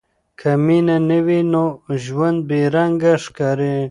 که مینه نه وي، نو ژوند بې رنګه ښکاري.